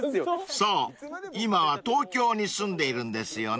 ［そう今は東京に住んでいるんですよね］